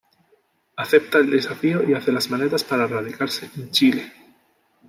Acepta el desafío y hace las maletas para radicarse en Chile.